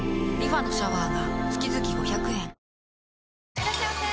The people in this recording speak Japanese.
いらっしゃいませ！